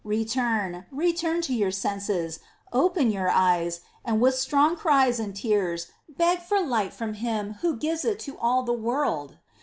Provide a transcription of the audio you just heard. Return, return to your senses, open your eyes, and with strong cries and tears beg for light from Him Who gives it to all the world.